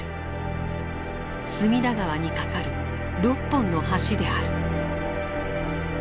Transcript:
隅田川に架かる６本の橋である。